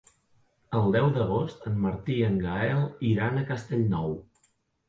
El deu d'agost en Martí i en Gaël iran a Castellnou.